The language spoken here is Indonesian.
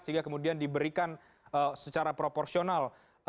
sehingga kemudian diberikan secara proporsional